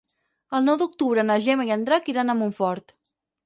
El nou d'octubre na Gemma i en Drac iran a Montfort.